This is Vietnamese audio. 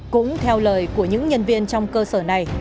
cũng theo lời của những nhân viên trong cơ sở này